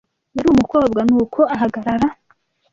Yari umukobwa; nuko ahagarara